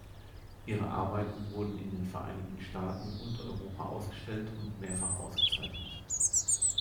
Ihre Arbeiten wurden in den Vereinigten Staaten und Europa ausgestellt und mehrfach ausgezeichnet.